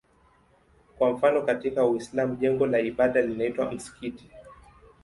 Kwa mfano katika Uislamu jengo la ibada linaitwa msikiti.